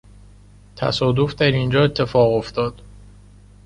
تصادف در اینجا اتفاق افتاد.